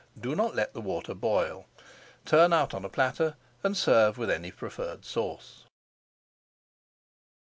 Do not let the water boil. Turn out on a platter and serve with any preferred sauce.